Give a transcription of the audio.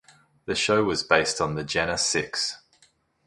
The show was based on the Jena Six.